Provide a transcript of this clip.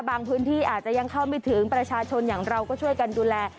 พื้นที่อาจจะยังเข้าไม่ถึงประชาชนอย่างเราก็ช่วยกันดูแล